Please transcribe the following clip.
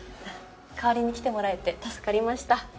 代わりに来てもらえて助かりました。